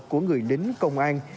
của người lính công an